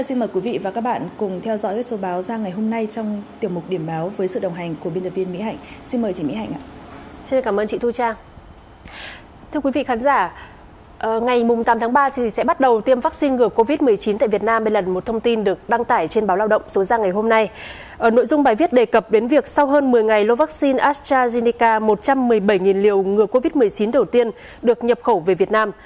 sau hơn một mươi ngày lô vaccine astrazeneca một trăm một mươi bảy liều ngừa covid một mươi chín đầu tiên được nhập khẩu về việt nam